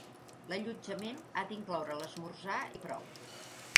L'allotjament ha d'incloure l'esmorzar i prou.